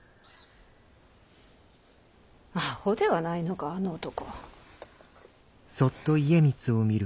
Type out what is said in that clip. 阿呆ではないのかあの男。